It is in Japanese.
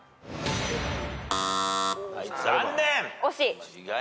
残念！